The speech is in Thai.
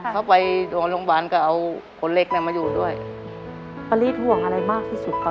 เขาไปโรงพยาบาลก็เอาคนเล็กเนี่ยมาอยู่ด้วยป้ารีดห่วงอะไรมากที่สุดครับ